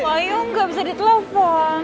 ayu gak bisa di telepon